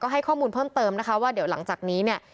ให้ข้อมูลเพิ่มเติมนะคะว่าเดี๋ยวหลังจากนี้เนี่ย